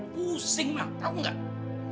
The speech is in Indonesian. pusing ma tahu gak